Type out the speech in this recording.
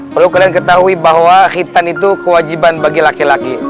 perlu kalian ketahui bahwa hitam itu kewajiban bagi laki laki